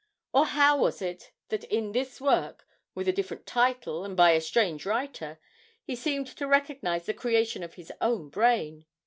or how was it that in this work, with a different title and by a strange writer, he seemed to recognise the creation of his own brain?